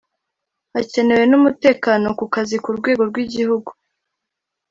hakenewe n’umutekano ku kazi ku rwego rw’igihugu